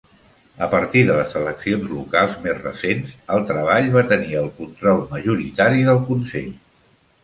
A partir de les eleccions locals més recents, el treball va tenir el control majoritari del Consell.